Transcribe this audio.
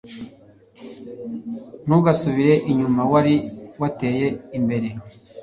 Ntugasubire inyuma wari wateye imbeye.